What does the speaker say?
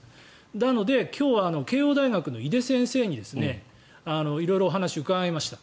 なので、今日は慶應大学の井手先生に色々お話を伺いました。